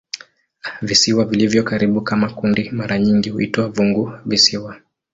Visiwa vilivyo karibu kama kundi mara nyingi huitwa "funguvisiwa".